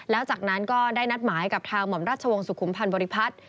แล้วจากนั้นก็ได้นัดหมายกับทางหม่อมราชวงศ์สุขุมพันธ์บริพัฒน์